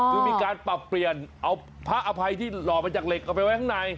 คือมีการปรับเปลี่ยนเอาพระอภัยที่หล่อมาจากเหล็กเอาไปไว้ข้างใน